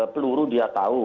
peluru dia tahu